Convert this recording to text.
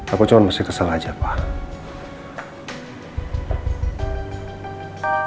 aku cuma masih kesel aja pak